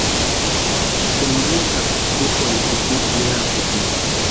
Tempuchakwa úkwarhixati weakutini.